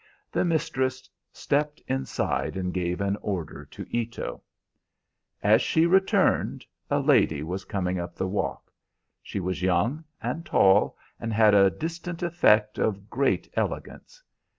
The mistress stepped inside and gave an order to Ito. As she returned, a lady was coming up the walk. She was young and tall, and had a distant effect of great elegance.